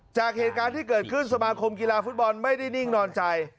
จากเหตุการณ์ที่เกิดขึ้นสมาคมกีฬาฟุตบอลไม่ได้นิ่งนอนใจ